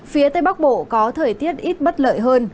phía tây bắc bộ có thời tiết ít bất lợi hơn